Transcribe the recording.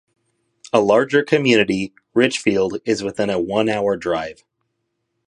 A larger community, Richfield, is within a one-hour drive.